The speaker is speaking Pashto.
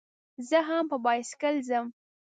زه هم په بایسکل ځم.